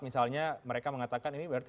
misalnya mereka mengatakan ini berarti